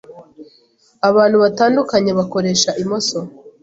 Abantu batandukanye bakoresha imoso